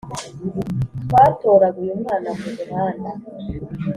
Twatoraguye umwana mu muhanda